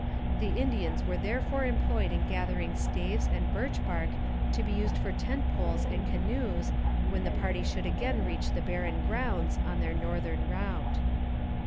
The Indians were therefore employed in gathering staves and birch bark to be used for tent poles and canoes when the party should again reach the barren grounds on their northern route.